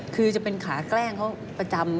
คือจะเป็นขาแกล้งเขาประจำ